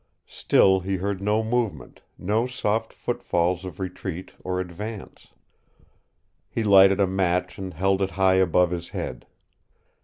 Still he heard no movement, no soft footfalls of retreat or advance. He lighted a match and held it high above his head.